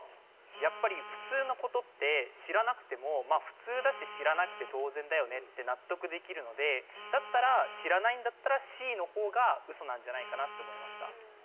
やっぱり普通の事って知らなくても普通だし知らなくて当然だよねって納得できるのでだったら知らないんだったらＣの方がウソなんじゃないかなと思いました。